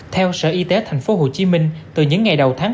theo sở y tế tp hcm từ những ngày đầu tháng tám